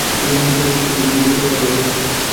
ঐ গ্রন্থেই জগতের সবকিছু বিধৃত, তার বাইরে কিছু নেই।